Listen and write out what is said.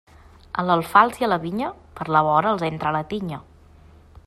A l'alfals i a la vinya, per la vora els entra la tinya.